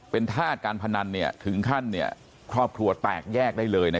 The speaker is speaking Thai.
เป็นธาตุการพนันถึงขั้นครอบครัวแตกแยกได้เลยนะ